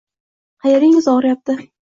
Qayeringiz og'riyapti?